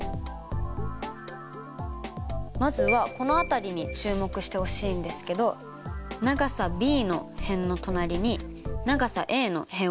まずはこの辺りに注目してほしいんですけど長さｂの辺の隣に長さａの辺を持ってきたかったからです。